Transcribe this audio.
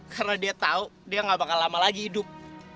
karena dia tahu dia gak bakal lama lagi hidup